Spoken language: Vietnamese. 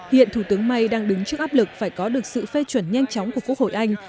hiện thủ tướng may đang đứng trước áp lực phải có được sự phê chuẩn nhanh chóng của quốc hội anh